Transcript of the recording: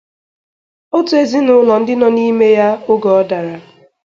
otu ezinụlọ ndị nọ n'ime ya oge ọ dara